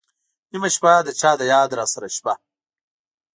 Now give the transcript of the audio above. نېمه شپه ، د چا د یاد راسره شپه